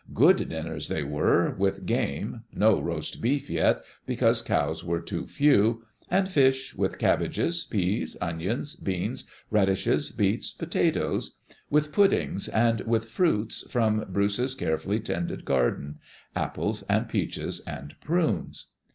Good dinners they were, with game — no roast beef, yet, because cows were too few — and fish, with cabbages, peas, onions, beans, radishes, beets, pota toes; with puddings, and with fruits from Bruce's carefully tended garden — apples and peaches and prunes.